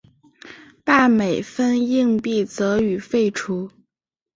半美分硬币则予废除。